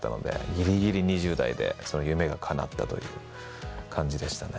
ギリギリ２０代で夢が叶ったという感じでしたね。